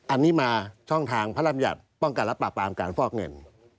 อันนี้มาช่องทางพระรำยัติป้องกันและปราบปรามการฟอกเงิน